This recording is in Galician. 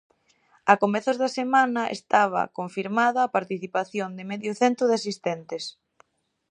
A comezos da semana estaba confirmada a participación de medio cento de asistentes.